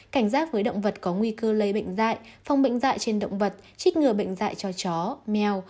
cảnh giác với động vật có nguy cơ lấy bệnh dại phòng bệnh dại trên động vật trích ngừa bệnh dại cho chó mèo